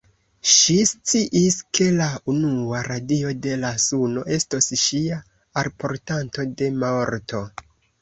Ŝi sciis, ke la unua radio de la suno estos ŝia alportanto de morto.